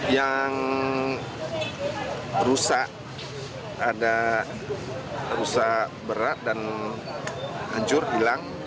yang rusak ada rusak berat dan hancur hilang